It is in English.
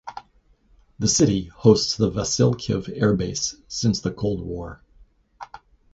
The city hosts the Vasylkiv air base since the Cold War.